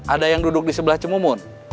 ada yang duduk di sebelah cemumun